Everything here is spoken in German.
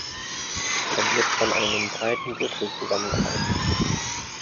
Er wird von einem breiten Gürtel zusammengehalten.